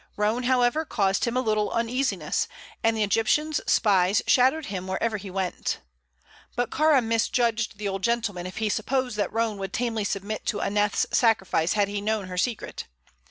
Roane, however, caused him a little uneasiness, and the Egyptian's spies shadowed him wherever he went. But Kāra misjudged the old gentleman if he supposed that Roane would tamely submit to Aneth's sacrifice had he known her secret.